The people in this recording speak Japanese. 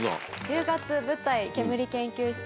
１０月舞台ケムリ研究室